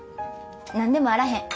何でもあらへん。